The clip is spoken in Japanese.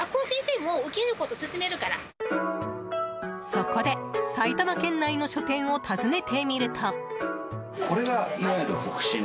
そこで埼玉県内の書店を訪ねてみると。